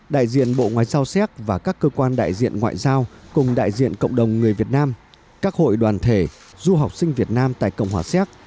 đại diện bộ ngoại giao xéc và các cơ quan đại diện ngoại giao cùng đại diện cộng đồng người việt nam các hội đoàn thể du học sinh việt nam tại cộng hòa xéc